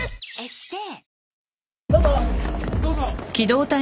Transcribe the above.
どうぞ。